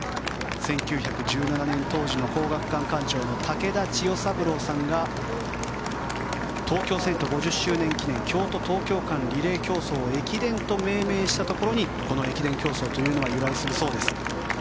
１９１７年、当時の皇學館館長の武田千代三郎さんが東京遷都５０周年記念京都東京間リレー競争を駅伝と命名したところにこの駅伝競走というのは由来するそうです。